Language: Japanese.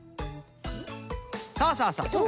そうそうそう。